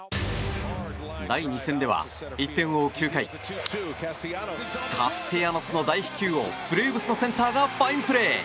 第２戦では、１点を追う９回カステヤノスの大飛球をブレーブスのセンターがファインプレー。